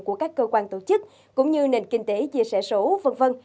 của các cơ quan tổ chức cũng như nền kinh tế chia sẻ số v v